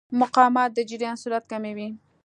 مقاومت د جریان سرعت کموي.